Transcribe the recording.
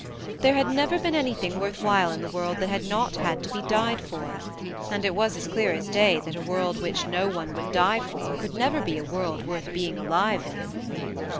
There had never been anything worth while in the world that had not had to THE MARNE 49 be died for, and it was as clear as day that a world which no one would die for could never be a world worth being alive in.